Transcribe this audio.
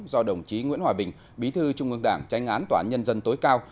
do đồng chí nguyễn hòa bình bí thư trung ương đảng tranh án toán nhân dân tối cao